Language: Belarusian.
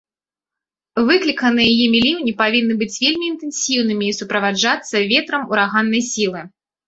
Выкліканыя імі ліўні павінны быць вельмі інтэнсіўнымі і суправаджацца ветрам ураганнай сілы.